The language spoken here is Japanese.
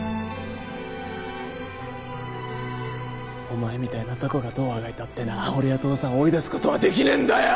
お前みたいな雑魚がどうあがいたってな俺や父さんを追い出す事はできねえんだよ！